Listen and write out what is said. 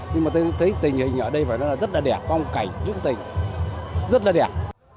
nhưng mà tôi thấy tình hình ở đây rất là đẹp có một cảnh rất là đẹp